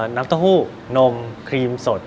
น้ำเต้าหู้นมครีมสด